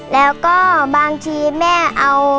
แล้วก็บางทีแม่เอาสำลีมาปั่นหูให้